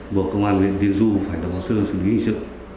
buộc công an huyện tiên du phải đồng hồ sơ xử lý hình sự